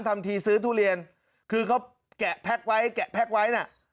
ทำทีซื้อทุเรียนคือเขาแกะแพ็คไว้แกะแพ็คไว้น่ะ